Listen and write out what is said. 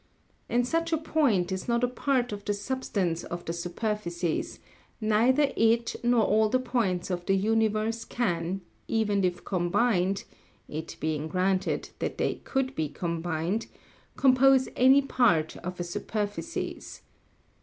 And such a point is not a part of the substance of the superficies, neither it nor all the points of the universe can, even if combined, it being granted that they could be combined, compose any part of a superficies.